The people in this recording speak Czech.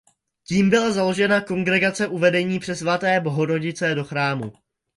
Tím byla založena Kongregace Uvedení přesvaté Bohorodice do chrámu.